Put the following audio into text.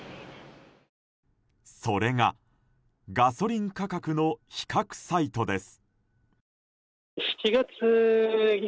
それが、ガソリン価格の比較サイトです。